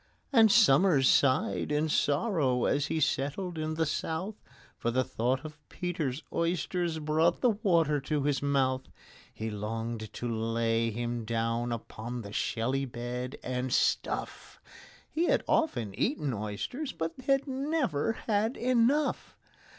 And SOMERS sighed in sorrow as he settled in the south, For the thought of PETER'S oysters brought the water to his mouth. He longed to lay him down upon the shelly bed, and stuff: He had often eaten oysters, but had never had enough.